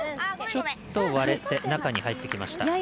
ちょっと割れて中に入ってきました。